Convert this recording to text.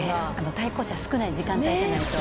対向車少ない時間帯じゃないと。